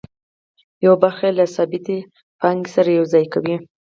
یوه برخه یې له ثابتې پانګې سره یوځای کوي